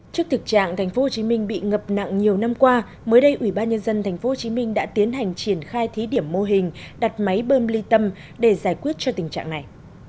trước thực trạng thành phố hồ chí minh bị ngập nặng nhiều năm qua mới đây ủy ban nhân dân thành phố hồ chí minh đã tiến hành triển khai thí điểm mô hình đặt máy bơm ly tâm để giải quyết cho tình trạng này